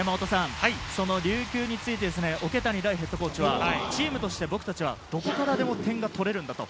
その琉球について桶谷大ヘッドコーチ、チームとして僕たちはどこからでも点を取れるんだと。